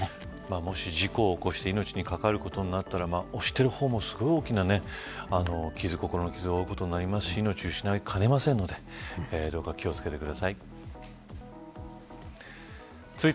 もし事故を起こして命に関わることになったら押している方も、すごい大きな心の傷を負うことになりますし命を失いかねませんのでどうか気を付けてください。